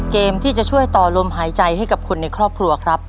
เกมที่จะช่วยต่อลมหายใจให้กับคนในครอบครัวครับ